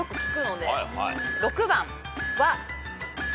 ６番は。